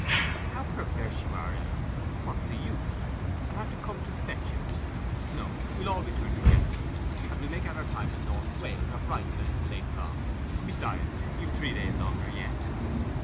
'How perverse you are, Ell! What's the use? And have to come to fetch you! No: we'll all return together; and we'll make out our time in North Wales or Brighton a little later on. Besides, you've three days longer yet.